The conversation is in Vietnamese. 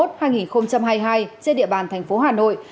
trên địa bàn tp hà nội